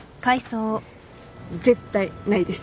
絶対ないです